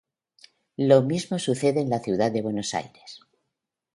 Lo mismo sucede en la ciudad de Buenos Aires.